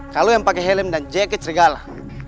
kalau yang pake helm dan jaket serigala